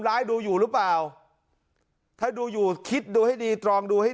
ร้ายดูอยู่หรือเปล่าถ้าดูอยู่คิดดูให้ดีตรองดูให้